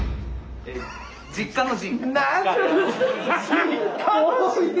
「実家の陣」。